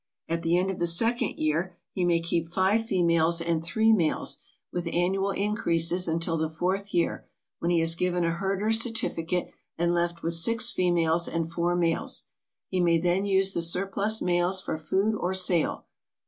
At the end of the second year he may keep five females and three males, with annual increases until the fourth year, when he is given a herder's certificate and left with six females and four males. He may then use the surplus males for food or sale.